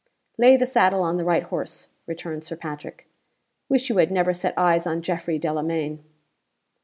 "Lay the saddle on the right horse," returned Sir Patrick. "Wish you had never set eyes on Geoffrey Delamayn."